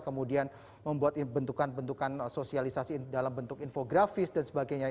kemudian membuat bentukan bentukan sosialisasi dalam bentuk infografis dan sebagainya